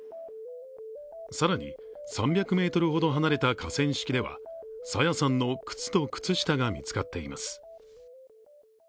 更に３００ｍほど離れた河川敷では朝芽さんの靴と靴下が見つかっています。